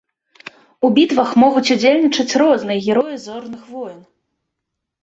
У бітвах могуць удзельнічаць розныя героі зорных войн.